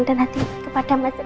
dan hati kepada mas ren